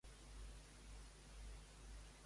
Com va actuar el president d'Unides Podem?